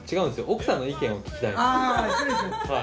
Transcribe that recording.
奥さんの意見を聞きたい。